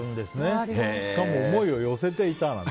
しかも思いを寄せていたなんて。